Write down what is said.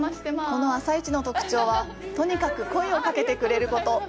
この朝市の特徴は、とにかく声をかけてくれること！